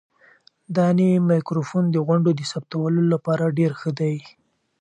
دا نوی مایکروفون د غونډو د ثبتولو لپاره ډېر ښه دی.